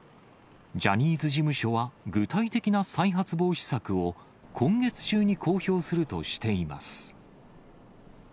ジャニーズ事務所は具体的な再発防止策を今月中に公表するとしています。